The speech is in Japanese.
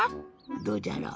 どうじゃろ？